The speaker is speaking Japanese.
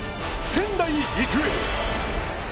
仙台育英。